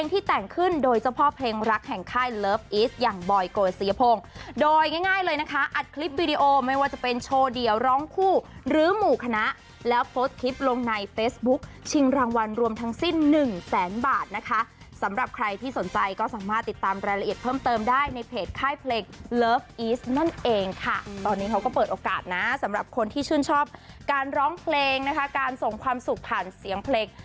ตอนนี้เขาก็เปิดโอกาสนะสำหรับคนที่ชื่นชอบการร้องเพลงนะคะการส่งความสุขผ่านเสียงเพลง